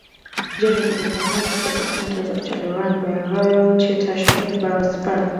During his minority, the government was actually run by a royal tutor Shadiman Baratashvili.